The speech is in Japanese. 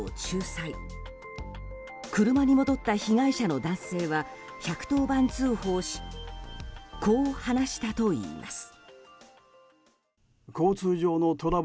車に戻った被害者の男性は１１０番通報しこう話したといいます。